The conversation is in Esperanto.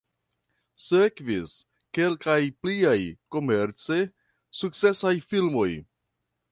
Sekvis kelkaj pliaj komerce sukcesaj filmoj.